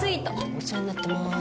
お世話になってます。